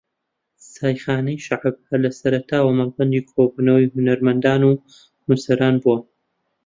چایخانەی شەعب ھەر لە سەرەتاوە مەڵبەندی کۆبونەوەی ھونەرمەندان و نووسەران بووە